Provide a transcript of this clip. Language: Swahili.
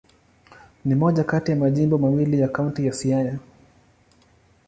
Ni moja kati ya majimbo mawili ya Kaunti ya Siaya.